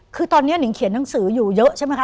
คือตอนนี้หนิงเขียนหนังสืออยู่เยอะใช่ไหมค